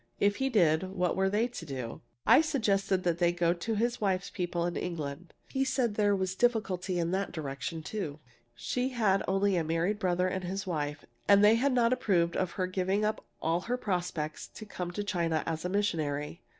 If he did, what were they to do? "I suggested that they go to his wife's people in England. He said there was difficulty in that direction, too. She had only a married brother and his wife, and they had not approved of her giving up all her prospects to come to China as a missionary.